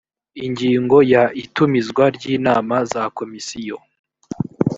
ingingo ya itumizwa ry inama za komisiyo